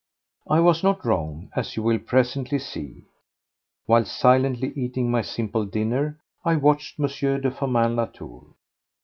I was not wrong, as you will presently see. Whilst silently eating my simple dinner, I watched M. de Firmin Latour.